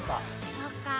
そっかあ。